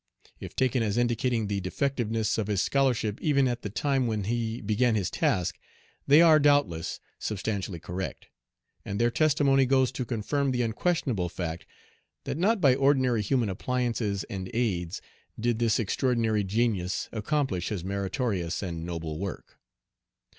If taken as indicating the defectiveness of his scholarship even at the time when he began his task, they are, doubtless, substantially correct; and their testimony Page 120 goes to confirm the unquestionable fact, that not by ordinary human appliances and aids did this extraordinary genius accomplish his meritorious and noble work.